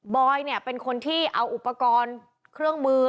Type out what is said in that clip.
อยเนี่ยเป็นคนที่เอาอุปกรณ์เครื่องมือ